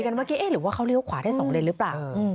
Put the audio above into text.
เราพูดแล้วว่ามันเขาเลียวขวาได้๒เลนหรือป่ะ